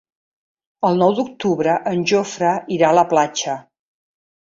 El nou d'octubre en Jofre irà a la platja.